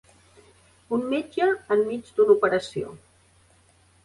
Un metge enmig d'una operació.